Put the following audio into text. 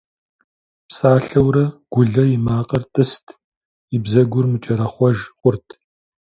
Псалъэурэ, Гулэ и макъыр тӀыст, и бзэгур мыкӀэрэхъуэж хъурт.